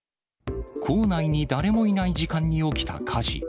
校内に誰もいない時間に起きた火事。